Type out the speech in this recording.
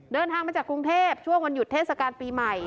เดินทางมาจากกรุงเทพช่วงวันหยุดเทศกาลปีใหม่